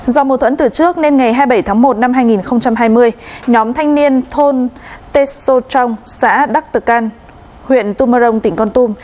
do mùa thuẫn từ trước nên ngày hai mươi bảy tháng một năm hai nghìn hai mươi nhóm thanh niên thôn tê sô trong xã đắc từ can huyện tùm mơ rông tỉnh con tum